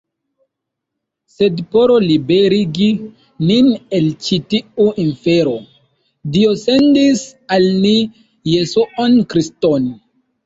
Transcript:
Sed por liberigi nin el ĉi tiu infero, Dio sendis al ni Jesuon Kriston.